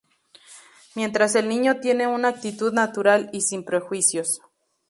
Mientras el niño tiene una actitud natural y sin prejuicios.